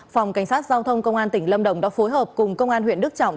phòng cảnh sát giao thông công an tỉnh lâm đồng đã phối hợp cùng công an huyện đức trọng